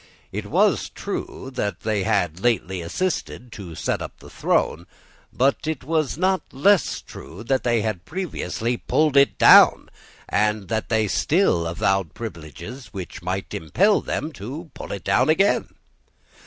It was true they had lately assisted to set up the throne: but it was not less true that they had previously pulled it down, and that they still avowed principles which might impel them to pull it down again.